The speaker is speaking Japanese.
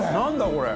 これ。